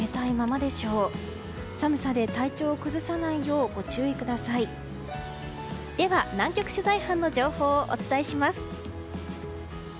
では、南極取材班の情報をお伝えします。